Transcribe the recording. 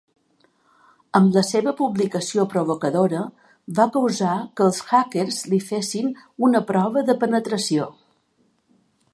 Amb la seva publicació provocadora, va causar que els hackers li fessin una prova de penetració.